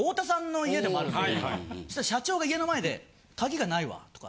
社長が家の前で「鍵がないわ！」とか。